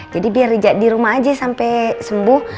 jadi biar rija di rumah aja sampai sembuh